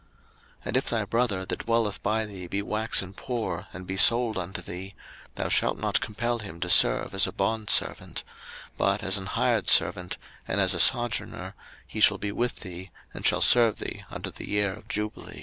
03:025:039 And if thy brother that dwelleth by thee be waxen poor, and be sold unto thee; thou shalt not compel him to serve as a bondservant: 03:025:040 But as an hired servant, and as a sojourner, he shall be with thee, and shall serve thee unto the year of jubile.